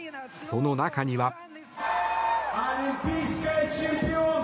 その中には。